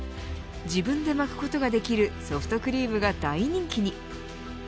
自分で巻くことができるソフトクリームが大人気に。